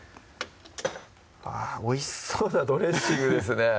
あぁおいしそうなドレッシングですね